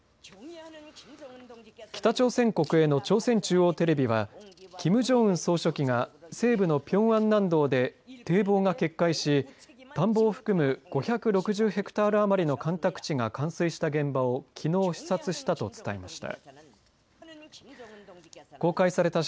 北朝鮮国営の朝鮮中央テレビはキム・ジョンウン総書記が西部のピョンアン南道で堤防が決壊し田んぼを含む５６０ヘクタール余りの干拓地が冠水した現場をきのう視察したと伝えました。